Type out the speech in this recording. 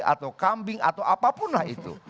atau kambing atau apapun lah itu